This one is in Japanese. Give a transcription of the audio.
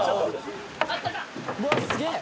「うわっすげえ！」